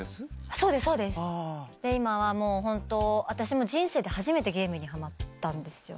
そうですそうですで今はもうホント私人生で初めてゲームにハマったんですよ。